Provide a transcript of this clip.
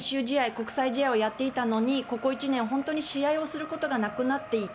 国際試合をやっていたのにここ１年、本当に試合をすることがなくなっていた。